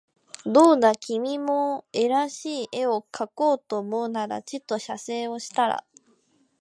どうだ君も画らしい画をかこうと思うならちと写生をしたら